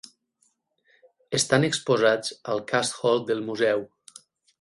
Estan exposats al 'Cast Hall' del museu.